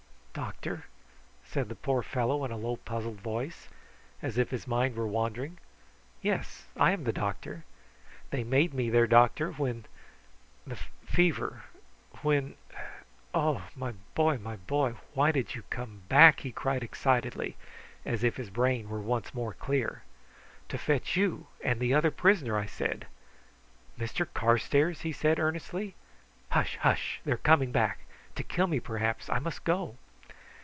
"Doctor!" said the poor fellow in a low puzzled voice, as if his mind were wandering. "Yes, I am the doctor! They made me their doctor when the fever when oh! my boy, my boy! why did you come back?" he cried excitedly, as if his brain were once more clear. "To fetch you and the other prisoner!" I said. "Mr Carstairs?" he said earnestly. "Hush, hush! They are coming back to kill me, perhaps! I must go."